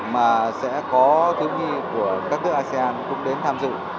mà sẽ có thiếu nhi của các nước asean cũng đến tham dự